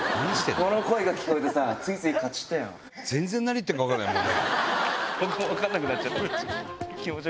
この声が聞こえてさ、ついつい買っちゃったよ。